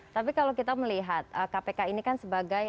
tapi kalau kita melihat kpk ini kan sebagai